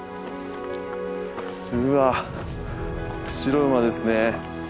うわっ白馬ですね。